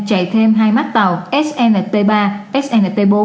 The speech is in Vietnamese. chạy thêm hai mác tàu snt ba snt bốn